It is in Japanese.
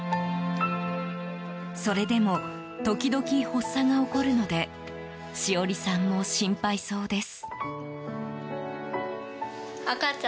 それでも、時々発作が起こるのでしおりさんも心配そうです。